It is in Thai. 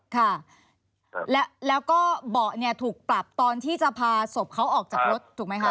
ค่ะแล้วก็เบาะเนี่ยถูกปรับตอนที่จะพาศพเขาออกจากรถถูกไหมคะ